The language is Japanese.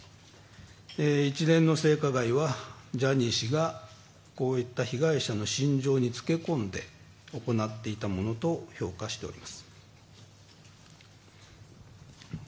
一連の性加害はジャニー氏がこういった被害者の心情につけ込んで、行っていたものと評価しています。